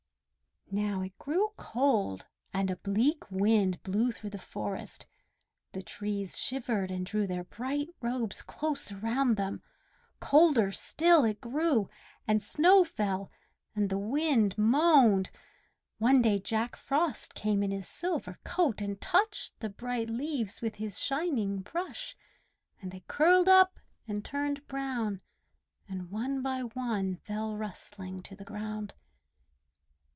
Now it grew cold, and a bleak wind blew through the forest. The trees shivered and drew their bright robes close around them. Colder still it grew, and snow fell, and the wind moaned; one day Jack Frost came in his silver coat and touched the bright leaves with his shining brush, and they curled up and turned brown, and, one by one, fell rustling to the ground.